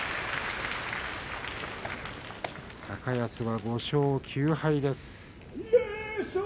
高安５勝９敗です。